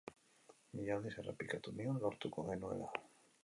Mila aldiz errepikatu nion lortuko genuela.